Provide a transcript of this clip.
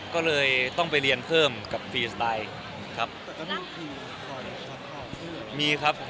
ก็เลยต้องไปเรียนเพิ่มกับฟรีสไตล์